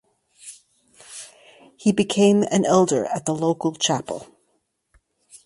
He became an Elder at the local chapel.